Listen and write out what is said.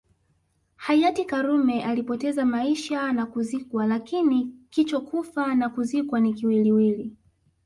Hayati karume alipoteza maisha na kuzikwa lakini kichokufa na kuzikwa ni kiwiliwili